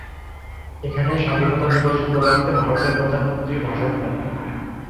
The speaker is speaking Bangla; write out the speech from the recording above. এখানেই স্বাধীনতা দিবস উপলক্ষ্যে ভারতের প্রধানমন্ত্রী ভাষণ দেন।